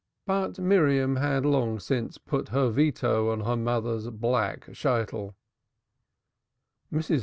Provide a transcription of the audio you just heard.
But Miriam had long since put her veto on her mother's black wig. Mrs.